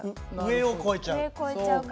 上を越えちゃうかな。